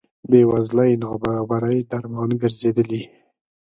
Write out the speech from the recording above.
بې وزلۍ نابرابرۍ درمان ګرځېدلي.